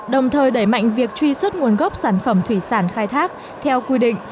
đồng thời đẩy mạnh việc truy xuất nguồn gốc sản phẩm thủy sản khai thác theo quy định